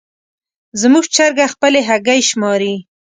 زموږ چرګه خپلې هګۍ شماري.